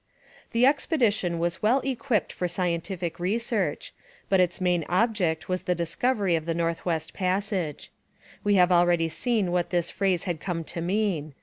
The expedition was well equipped for scientific research, but its main object was the discovery of the North West Passage. We have already seen what this phrase had come to mean.